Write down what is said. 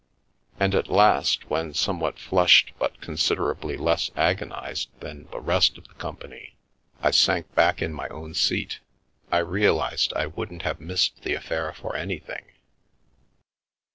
And at last, when, somewhat flushed but considerably less agonised than the rest of the company, I sank back in my own seat, I realised I wouldn't have missed the affair for anything.